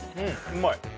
うまい